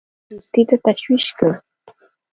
دوستی ته تشویق کړ.